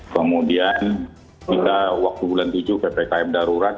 kemudian kita waktu bulan tujuh ppkm darurat